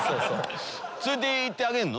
連れていってあげんの？